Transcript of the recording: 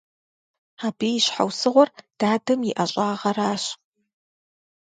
Абы и щхьэусыгъуэр дадэм и ӀэщӀагъэращ.